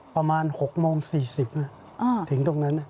ประมาณ๖โมง๔๐ถึงตรงนั้น